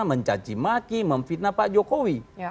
mencacimaki memfitnah pak jokowi